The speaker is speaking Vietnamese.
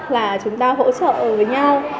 là chúng ta hỗ trợ với nhau